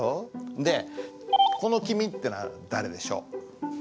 でこの「君」ってのは誰でしょう？